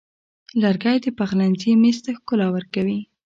لرګی د پخلنځي میز ته ښکلا ورکوي.